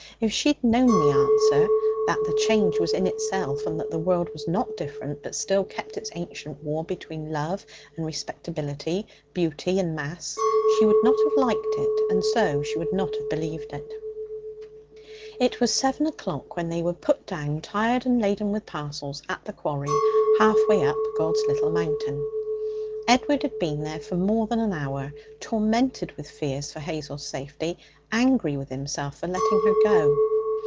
If she had known the answer that the change was in herself, and that the world was not different, but still kept up its ancient war between love and respectability, beauty and mass she would not have liked it, and so she would not have believed it. It was seven o'clock when they were put down, tired and laden with parcels, at the quarry half way up God's Little Mountain. Edward had been there for more than an hour, tormented with fears for Hazel's safety, angry with himself for letting her go.